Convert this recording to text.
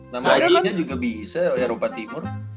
nama g nya juga bisa eropa timur